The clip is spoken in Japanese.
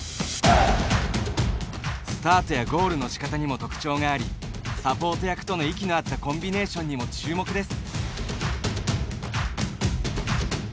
スタートやゴールのしかたにも特徴がありサポート役との息のあったコンビネーションにも注目です。